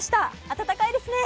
暖かいですね。